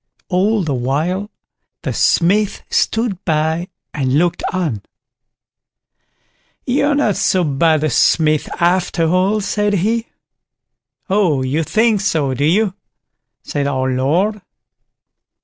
All the while, the Smith stood by and looked on. "You're not so bad a smith after all", said he. "Oh, you think so, do you?" said our Lord.